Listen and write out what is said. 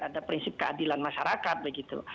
ada prinsip keadilan masyarakat begitu